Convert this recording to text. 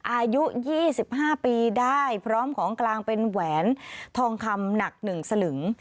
อายุ๒๕ปีได้พร้อมของกลางเป็นแหวนทองคำหนัก๑สลึง